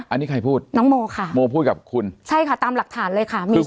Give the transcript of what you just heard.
อันนี้ใครพูดน้องโมค่ะโมพูดกับคุณใช่ค่ะตามหลักฐานเลยค่ะมี